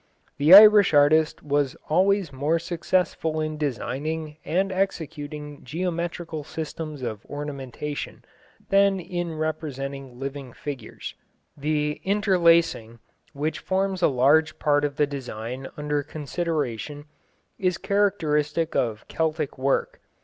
The Irish artist was always more successful in designing and executing geometrical systems of ornamentation than in representing living figures. The interlacing, which forms a large part of the design under consideration, is a characteristic of Celtic work.